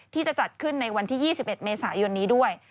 ที่จะจัดขึ้นในวันที่๒๑เมษายนนี้ด้วย